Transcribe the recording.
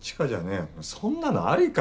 そんなのありかよ？